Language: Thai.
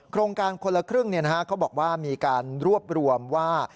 โครงการคนละครึ่งเขาบอกว่ามีการรวบรวมว่า